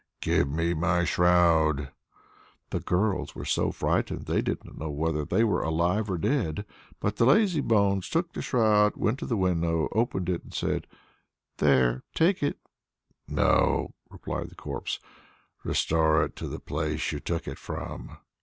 Give me my shroud!" The girls were so frightened they didn't know whether they were alive or dead. But the lazybones took the shroud, went to the window, opened it, and said: "There, take it." "No," replied the corpse, "restore it to the place you took it from."